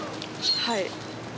はい。